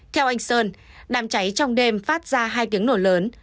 theo anh sơn đàm cháy trong đêm phát ra hai tiếng nổ lớn